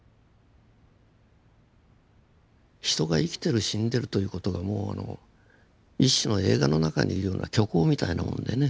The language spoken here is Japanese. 人が生きてる死んでるという事がもう一種の映画の中にいるような虚構みたいなもんでね。